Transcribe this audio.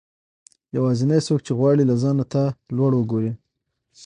يوازنی څوک چې غواړي له ځانه تا لوړ وګورئ